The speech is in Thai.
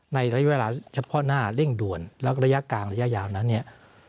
ในระยะเวลาเฉพาะหน้าเร่งด่วนแล้วก็ระยะกลางระยะยาวนั้นเนี่ย